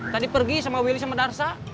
tadi pergi sama willy sama darsa